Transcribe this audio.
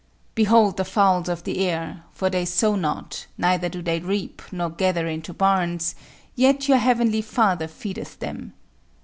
Behold the fowls of the air; for they sow not, neither do they reap nor gather into barns; yet your heavenly Father feedeth them.